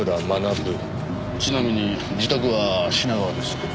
ちなみに自宅は品川です。